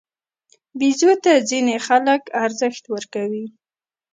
بیزو ته ځینې خلک ارزښت ورکوي.